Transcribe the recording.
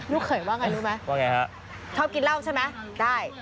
ลูกเขยว่าไงลูกมั้ยว่าไงฮะชอบกินเหล้าใช่มั้ยได้